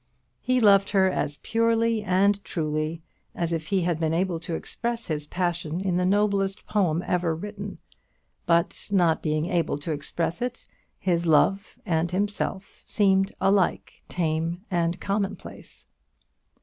He loved her as purely and truly as if he had been able to express his passion in the noblest poem ever written; but not being able to express it, his love and himself seemed alike tame and commonplace.